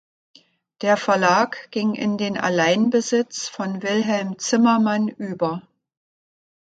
Der Verlag ging in den Alleinbesitz von Wilhelm Zimmermann über.